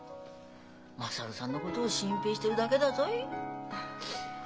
優さんのことを心配してるだけだぞい。